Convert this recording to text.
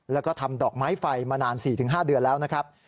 แล้วก็ทำดอกไม้ไฟมานาน๔๕เดือนแล้วนะครับ